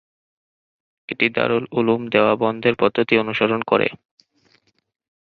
এটি দারুল উলূম দেওবন্দের পদ্ধতি অনুসরণ করে।